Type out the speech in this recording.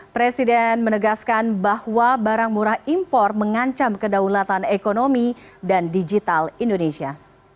presiden menegaskan bahwa barang murah impor mengancam kedaulatan ekonomi dan digital indonesia